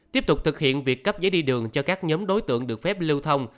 tiếp tục thực hiện việc cấp giấy đi đường cho các nhóm đối tượng được phép lưu thông